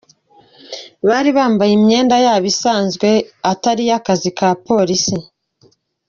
Bari bambaye imyenda yabo isanzwe itari iy’akazi ka polisi.